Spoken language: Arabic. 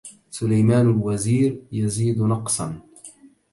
سليمان الوزير يزيد نقصا